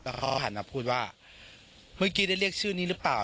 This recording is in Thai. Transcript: แล้วเขาก็หันมาพูดว่าเมื่อกี้ได้เรียกชื่อนี้หรือเปล่า